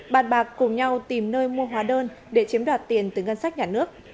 bàn bạc cùng nhau tìm nơi mua hóa đơn để chiếm đoạt tiền từ ngân sách nhà nước